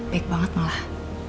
baik banget malah